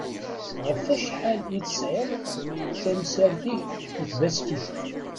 Ɣef acḥal i tesɛiḍ tamsirt-ik n tbaskit?